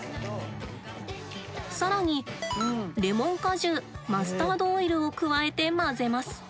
更にレモン果汁マスタードオイルを加えて混ぜます。